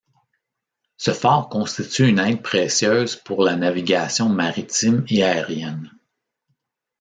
Ce phare constitue une aide précieuse pour la navigation maritime et aérienne.